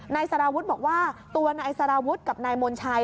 นายสารวุฒิบอกว่าตัวนายสารวุฒิกับนายมนชัย